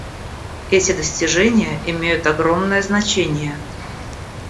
Эти достижения имеют огромное значение.